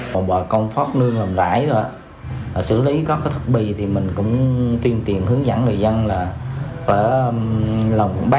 một bộ công pháp nương làm rãi đó xử lý các thực bì thì mình cũng tuyên tiện hướng dẫn người dân là phải làm quản ban